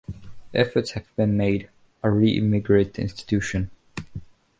Efforts have been made a reinvigorate the institution.